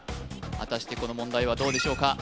果たしてこの問題はどうでしょうか？